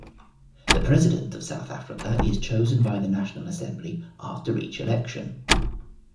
The President of South Africa is chosen by the National Assembly after each election.